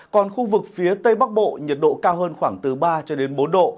còn khu vực phía tây bắc bộ nhiệt độ cao hơn khoảng từ ba cho đến bốn độ